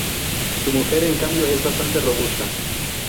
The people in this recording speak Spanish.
Su mujer en cambio es bastante robusta.